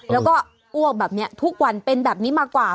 แล้วก็อ้วกแบบนี้ทุกวันเป็นแบบนี้มากว่า